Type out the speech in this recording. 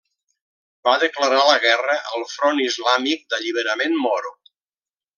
Va declarar la guerra al Front Islàmic d'Alliberament Moro.